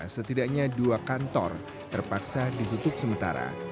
setidaknya dua kantor terpaksa ditutup sementara